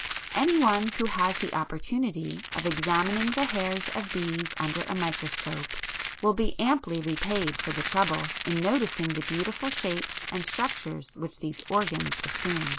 Any one who has the opportunity of examining the hairs of bees under a microscope will be amply repaid for the trouble in noticing the beautiful shapes and structures which these organs assume.